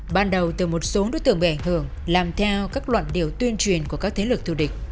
ban đầu từ một số đối tượng bị ảnh hưởng làm theo các luận điều tuyên truyền của các thế lực thù địch